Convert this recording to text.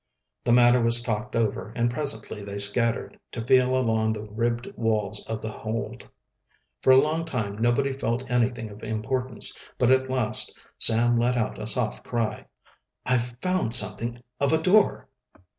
The matter was talked over, and presently they scattered, to feel along the ribbed walls of the hold. For a long time nobody felt anything of importance, but at last Sam let out a soft cry: "I've found something of a door!"